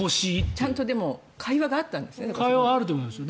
ちゃんとでも会話があったんですね。